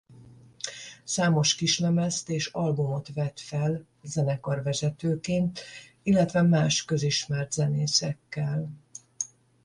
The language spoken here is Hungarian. Számos kislemezt és albumot vett fel zenekarvezetőként illetve más közismert zenészekkel.